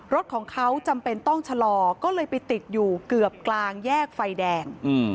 รถของเขาจำเป็นต้องชะลอก็เลยไปติดอยู่เกือบกลางแยกไฟแดง